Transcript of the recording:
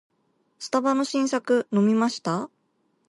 スタバの新作飲みました？